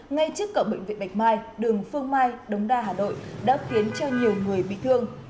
ngay trước cổng bệnh viện bạch mai đường phương mai đống đa hà nội đã khiến cho nhiều người bị thương